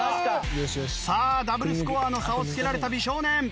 さあダブルスコアの差をつけられた美少年。